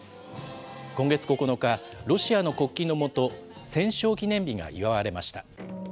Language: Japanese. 今月９日、ロシアの国旗のもと、戦勝記念日が祝われました。